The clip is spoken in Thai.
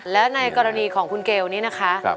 และในกรณีของคุณเกลนี้นะคะ